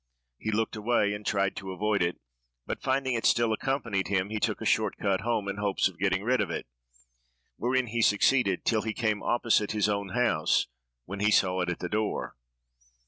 He looked away, and tried to avoid it, but, finding it still accompanied him, he took a short cut home, in hopes of getting rid of it, wherein he succeeded, till he came opposite his own house, when he saw it at the door.